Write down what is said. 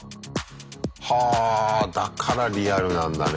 はぁだからリアルなんだね。